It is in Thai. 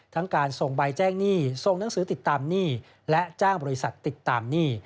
การส่งใบแจ้งหนี้ส่งหนังสือติดตามหนี้และจ้างบริษัทติดตามหนี้